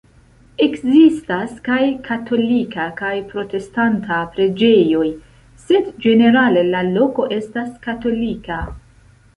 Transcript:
Ekzistas kaj katolika kaj protestanta preĝejoj, sed ĝenerale la loko estas katolika.